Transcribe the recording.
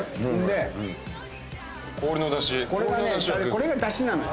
これがだしなのよ。